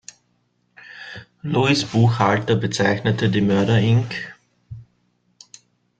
Louis Buchalter bezeichnete die Murder, Inc.